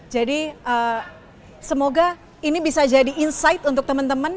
jadi semoga ini bisa jadi insight untuk temen temen